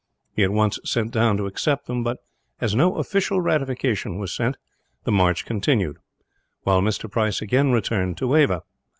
He at once sent down to accept them but, as no official ratification was sent, the march continued; while Mr. Price again returned to Ava.